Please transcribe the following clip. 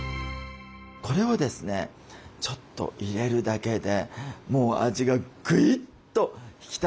これをですねちょっと入れるだけでもう味がグイッと引き立つんですよね。